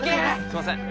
すいません